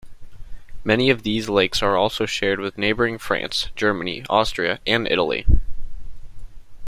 Many of these lakes are also shared with neighboring France, Germany, Austria, and Italy.